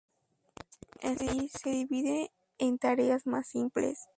Así, se divide en tareas más simples.